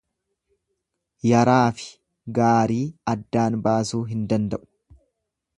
Yaraafi gaarii addaan baasuu hin danda'u.